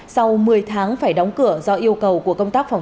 sau một mươi tháng phải đóng cửa